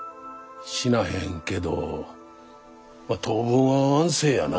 死なへんけど当分は安静やな。